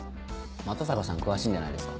又坂さん詳しいんじゃないですか？